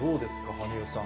羽生さん。